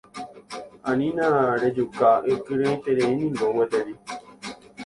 Anína rejuka ikyrỹietereíniko gueteri.